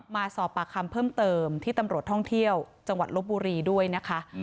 มาสอบปากคำเพิ่มเติมที่ตำรวจท่องเที่ยวจังหวัดลบบุรีด้วยนะคะ